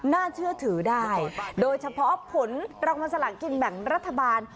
น่าเชื่อถือได้โดยเฉพาะผลรางวัลสลากินแบ่งรัฐบาล